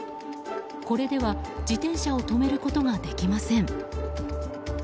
これでは自転車を止めることができません。